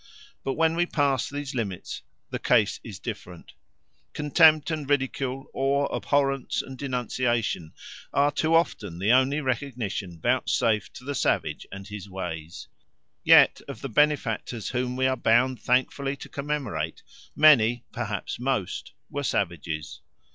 But when we pass these limits, the case is different. Contempt and ridicule or abhorrence and denunciation are too often the only recognition vouchsafed to the savage and his ways. Yet of the benefactors whom we are bound thankfully to commemorate, many, perhaps most, were savages.